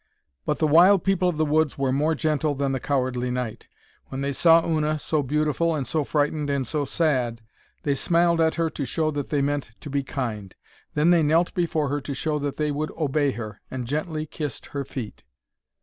But the wild people of the woods were more gentle than the cowardly knight. When they saw Una, so beautiful and so frightened and so sad, they smiled at her to show her that they meant to be kind. Then they knelt before her to show her that they would obey her, and gently kissed her feet.